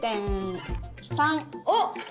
おっ。